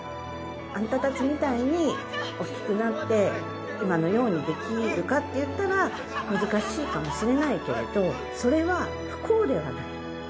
あなたたちみたいに、大きくなって、今のようにできるかっていったら、難しいかもしれないけれど、それは不幸ではないと。